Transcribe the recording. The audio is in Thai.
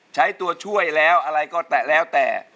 ใช้ตัวช่วยแล้วอะไรก็แตะแล้วแต่